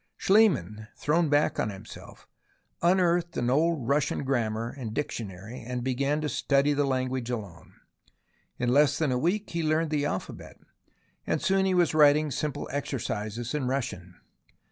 Schliemann, thrown back on himself, unearthed an old Russian grammar and dictionary and began to study the language alone. In less than a week he learned the alphabet, and soon he was writing simple exercises in Russian.